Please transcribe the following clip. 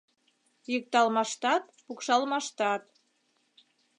Йӱкталмаштат-пукшалмаштат